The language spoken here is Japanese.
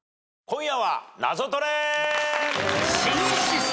『今夜はナゾトレ』